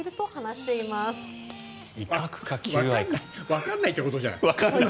わかんないってことじゃん。